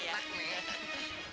udah kenyang nek